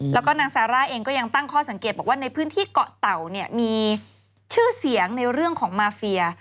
แล้วก็นางซาร่าเองก็ยังตั้งข้อสังเกตบอกว่าในพื้นที่เกาะเต่าเนี่ยมีชื่อเสียงในเรื่องของมาเฟีย